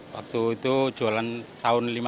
waktu itu jualan tahun seribu sembilan ratus lima puluh tiga